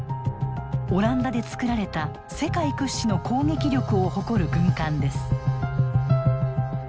オランダで造られた世界屈指の攻撃力を誇る軍艦です。